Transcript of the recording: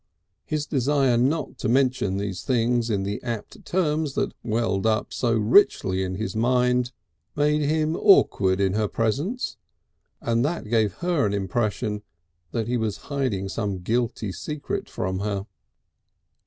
His desire not to mention these things in the apt terms that welled up so richly in his mind, made him awkward in her presence, and that gave her an impression that he was hiding some guilty secret from her.